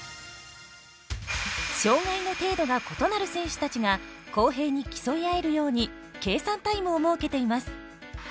障がいの程度が異なる選手たちが公平に競い合えるように計算タイムを設けています。